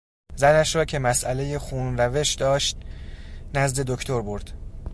زنش را که مسئلهی خونروش داشت نزد دکتر برد.